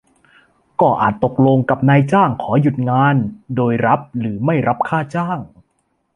ก็อาจตกลงกับนายจ้างขอหยุดงานโดยรับหรือไม่รับค่าจ้าง